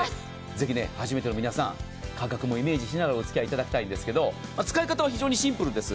ぜひ、初めての皆さん価格もイメージしながらお付き合いいただきたいんですが使い方は非常にシンプルです。